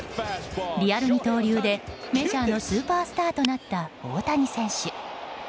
リアル二刀流でメジャーのスーパースターとなった大谷選手。